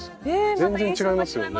全然違いますよね